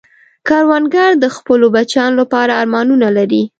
کروندګر د خپلو بچیانو لپاره ارمانونه لري